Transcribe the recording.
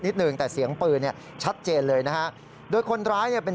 หนึ่งแต่เสียงปืนเนี่ยชัดเจนเลยนะฮะโดยคนร้ายเนี่ยเป็น